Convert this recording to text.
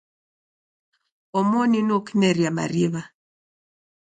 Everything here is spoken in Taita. Omoni nuo kimeria mariw'a.